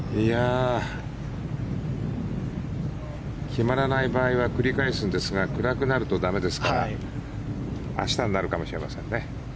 決まらない場合は繰り返すんですが暗くなると駄目ですから明日になるかもしれませんね。